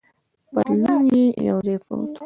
پتلون یې یو ځای پروت و.